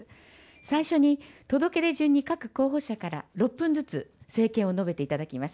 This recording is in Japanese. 最初に届け出順に各候補者から６分ずつ政見を述べていただきます。